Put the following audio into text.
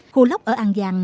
khô lốc ở an giang